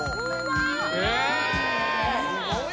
すごい。